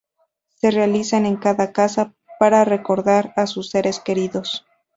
Se realizan en cada casa, para recordar a sus seres queridos.